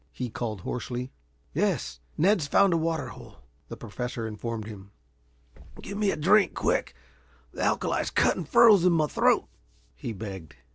he called hoarsely. "Yes; Ned's found a water hole," the Professor informed him. "Give me a drink, quick. The alkali's cutting furrows in my throat," he begged.